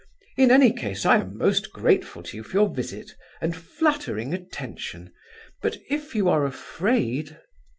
In any case, I am most grateful to you for your visit, and flattering attention... but if you are afraid..."